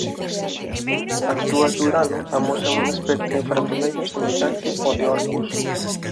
As lúas de Urano amosan un espectro infravermello semellante o de Orcus.